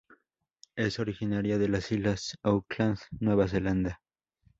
Es originaria de las islas Auckland, Nueva Zelanda.